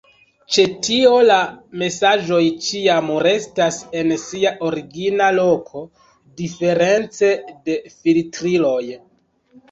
Ĉe tio la mesaĝoj ĉiam restas en sia origina loko, diference de filtriloj.